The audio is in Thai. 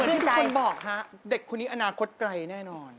เหมือนที่ทุกคนบอกค่ะเด็กคนนี้อนาคตไกลแน่นอน